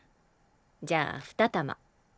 じゃあ２玉。